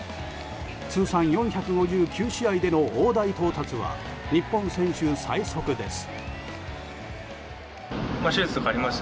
通算４５９試合での大台到達は日本選手最速です。